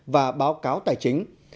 và báo cáo tài chính